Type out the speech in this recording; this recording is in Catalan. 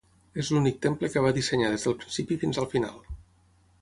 És l'únic temple que va dissenyar des del principi fins al final.